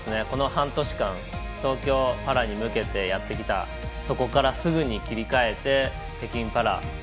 この半年間東京パラに向けてやってきたそこからすぐに切り替えて北京パラ。